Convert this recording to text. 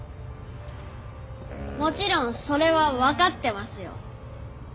もちろんそれはわかってますよ。